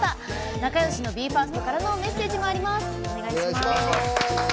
仲よしのＢＥ：ＦＩＲＳＴからのメッセージもあります。